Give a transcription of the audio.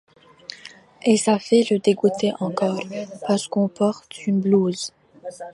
Et ça fait le dégoûté encore, parce qu'on porte une blouse !